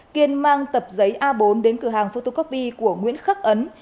kiên mang tập giấy a bốn đến cửa hàng photocopy của nguyễn khắc ấn